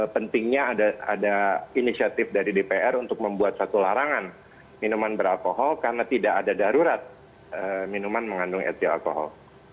pentingnya ada inisiatif dari dpr untuk membuat satu larangan minuman beralkohol karena tidak ada darurat minuman mengandung etil alkohol